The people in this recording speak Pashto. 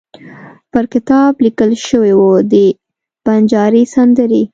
پر کتاب لیکل شوي وو: د بنجاري سندرې.